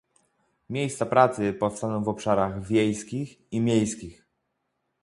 Miejsca pracy powstaną w obszarach wiejskich i miejskich